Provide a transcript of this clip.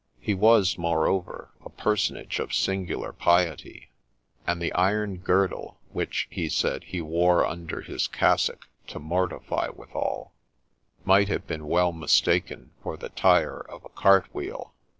He was, moreover, a personage of singular piety ; and the iron girdle, which, he said, he wore under his cassock to mortify withal, might have been well mistaken for the tire of a cart wheel.